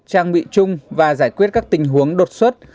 trang bị chung và giải quyết các tình huống đột xuất